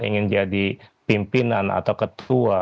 ingin jadi pimpinan atau ketua